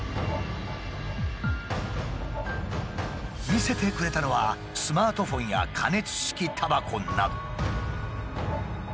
見せてくれたのはスマートフォンや加熱式タバコなど。